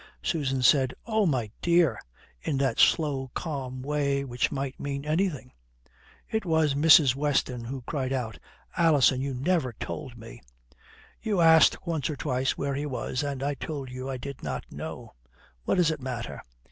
Susan said, "Oh, my dear," in that slow, calm way which might mean anything. It was Mrs. Weston who cried out, "Alison, you never told me." "You asked once or twice where he was, and I told you I did not know. What does it matter?"